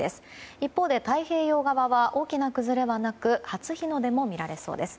一方で太平洋側は大きな崩れはなく初日の出も見られそうです。